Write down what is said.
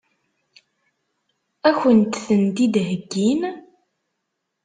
Ad kent-tent-id-heggin?